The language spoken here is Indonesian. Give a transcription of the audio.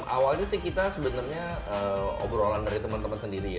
awalnya sih kita sebenarnya obrolan dari teman teman sendiri ya